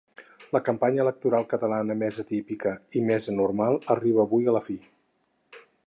La campanya electoral catalana més atípica i més anormal arriba avui a la fi.